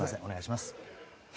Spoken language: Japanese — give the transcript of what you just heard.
お願いします